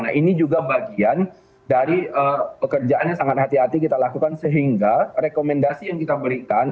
nah ini juga bagian dari pekerjaan yang sangat hati hati kita lakukan sehingga rekomendasi yang kita berikan